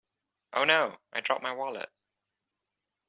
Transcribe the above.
Oh No! I dropped my wallet!